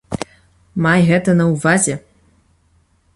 Май гэта на ўвазе.